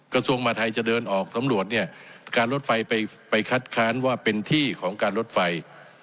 กระทรวงมหาทัยจะเดินออกสำรวจเนี่ยการรถไฟไปคัดค้านว่าเป็นที่ของการลดไฟ